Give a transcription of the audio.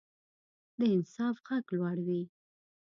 د انصاف غږ لوړ وي